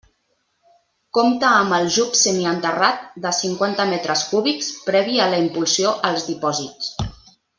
Compta amb aljub semienterrat de cinquanta metres cúbics, previ a la impulsió als depòsits.